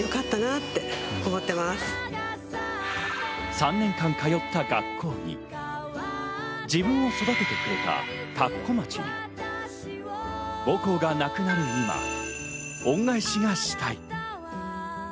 ３年間通った学校に、自分を育ててくれた田子町に、母校がなくなる今、恩返しがしたい。